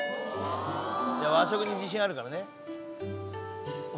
和食に自信あるからね。